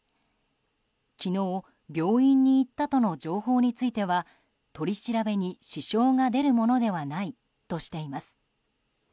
昨日、病院に行ったとの情報については取り調べに支障が出るものではないとしています。